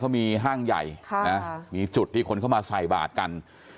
เขามีห้างใหญ่มีจุดที่คนเข้ามาใส่บาทกัน